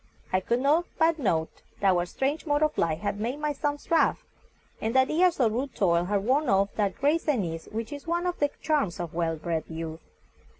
I could not but note that our strange mode of life had made my sons rough, and that years of rude toil had worn off that grace and ease which is one of the charms of well bred youth.